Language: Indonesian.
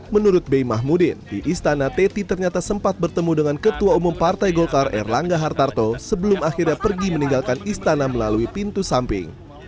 menurut bey mahmudin di istana teti ternyata sempat bertemu dengan ketua umum partai golkar erlangga hartarto sebelum akhirnya pergi meninggalkan istana melalui pintu samping